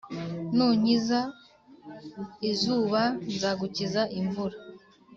nunkiza izuba nzagukiza imvura?